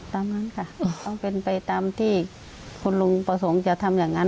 นั้นค่ะต้องเป็นไปตามที่คุณลุงประสงค์จะทำอย่างนั้น